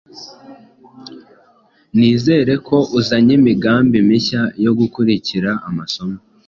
Nizere ko uzanye imigambi mishya yo gukurikira amasomo.